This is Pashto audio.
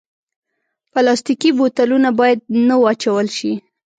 پلاستيکي بوتلونه باید نه واچول شي.